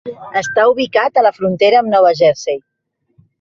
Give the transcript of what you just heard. Està ubicat a la frontera amb Nova Jersey.